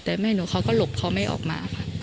แต่แม่หนูเขาก็หลบเขาไม่ออกมาค่ะ